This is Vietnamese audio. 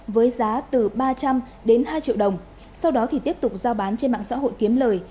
với giá từ ba trăm linh đến hai triệu đồng sau đó thì tiếp tục giao bán trên mạng xã hội kiếm lời